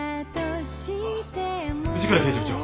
あっ藤倉刑事部長。